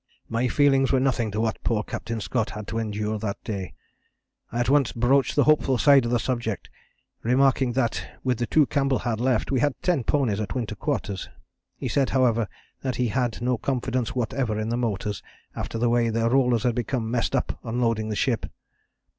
My feelings were nothing to what poor Captain Scott had had to endure that day. I at once broached the hopeful side of the subject, remarking that, with the two Campbell had left, we had ten ponies at Winter quarters. He said, however, that he had no confidence whatever in the motors after the way their rollers had become messed up unloading the ship.